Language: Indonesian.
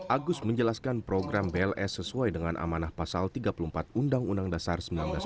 agus menjelaskan program bls sesuai dengan amanah pasal tiga puluh empat undang undang dasar seribu sembilan ratus empat puluh